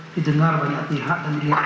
dijengar banyak pihak